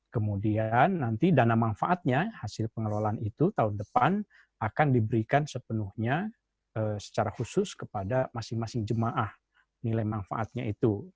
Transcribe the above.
kemudian nanti dana manfaatnya hasil pengelolaan itu tahun depan akan diberikan sepenuhnya secara khusus kepada masing masing jemaah nilai manfaatnya itu